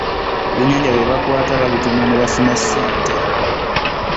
Ebyennyanja bye bakwata babitunda ne bafuna ssente.